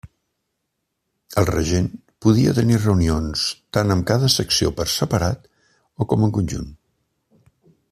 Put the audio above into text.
El regent podia tenir reunions tant amb cada secció per separat o com en conjunt.